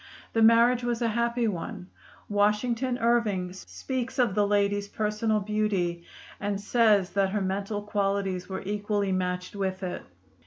The marriage was a happy one; Washington Irving speaks of the lady's personal beauty, and says that her mental qualities were equally matched with it.